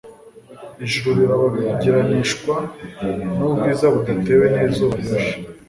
ijuru rirabagiranishwa n'ubwiza budatewe n'izuba rirashe.